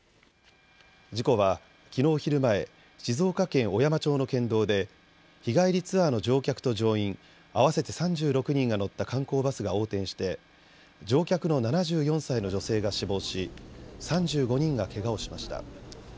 事故はきのう昼前、静岡県小山町の県道で日帰りツアーの乗客と乗員合わせて３６人が乗った観光バスが横転して乗客の７４歳の女性が死亡し３５人がけがをしました。